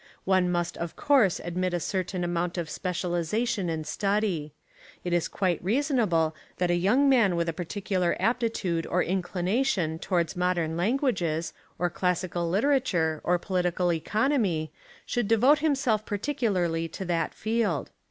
One m.ust of course ad mit a certain amount of specialisation in study. It is quite reasonable that a young man with a particular aptitude or inclination towards mod ern languages, or classical literature, or political economy, should devote himself particularly to that field.